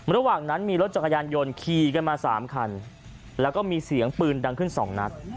ระหว่างนั้นมีรถจักรยานยนต์ขี่กันมา๓คันแล้วก็มีเสียงปืนดังขึ้น๒นัด